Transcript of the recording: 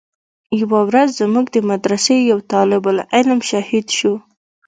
يوه ورځ زموږ د مدرسې يو طالب العلم شهيد سو.